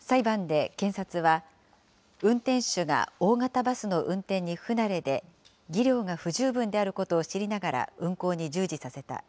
裁判で検察は、運転手が大型バスの運転に不慣れで、技量が不十分であることを知りながら運行に従事させた。